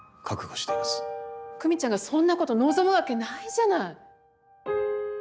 久美ちゃんがそんなこと望むわけないじゃない！